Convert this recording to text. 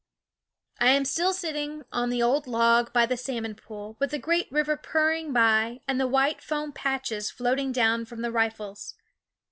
I am still sitting on the old log by the salmon pool, with the great river purring by and the white foam patches floating down from the riffles.